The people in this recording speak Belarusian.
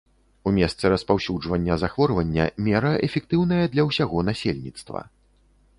У месцы распаўсюджвання захворвання мера эфектыўная для ўсяго насельніцтва.